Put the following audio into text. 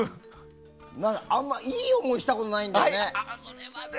あまりいい思いをしたことないんだよね。